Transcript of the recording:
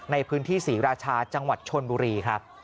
ในพื้นที่ศรีราชาจังหวัดชนบุรีครับ